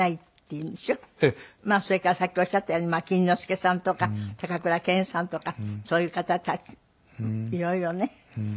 それからさっきおっしゃったように錦之介さんとか高倉健さんとかそういう方たちいろいろね。